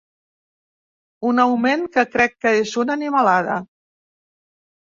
Un augment que crec que és una animalada.